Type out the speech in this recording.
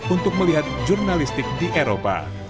untuk melihat jurnalistik di eropa